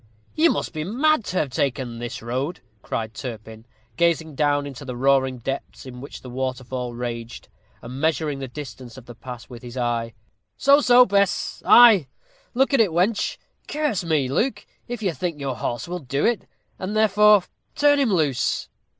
"You must be mad to have taken this road," cried Turpin, gazing down into the roaring depths in which the waterfall raged, and measuring the distance of the pass with his eye. "So, so, Bess! Ay, look at it, wench. Curse me, Luke, if I think your horse will do it, and, therefore, turn him loose."